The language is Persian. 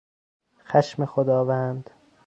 خشم خداوند